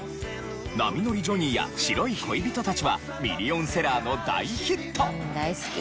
『波乗りジョニー』や『白い恋人達』はミリオンセラーの大ヒット！